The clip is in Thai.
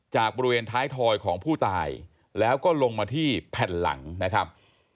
บริเวณท้ายถอยของผู้ตายแล้วก็ลงมาที่แผ่นหลังนะครับ